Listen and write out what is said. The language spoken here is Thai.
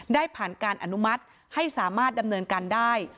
ได้ผ่านการอนุมัติให้สามารถดำเนินการได้